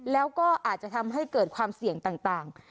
แล้วก็อาจจะทำให้เกิดความเสี่ยงต่าง